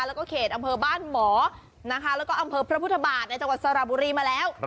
และเกตอำเภอบ้านหมอและอำเภอพระพุทธบาลในจังหวัดสรบุรีมาแล้ว